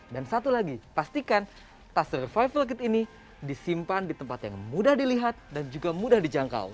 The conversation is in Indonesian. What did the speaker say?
dan satu lagi pastikan tas survival kit ini disimpan di tempat yang mudah dilihat dan juga mudah dijangkau